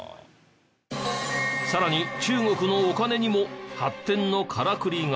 さらに中国のお金にも発展のからくりが。